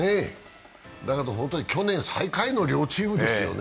だけど去年、最下位の両チームですよね。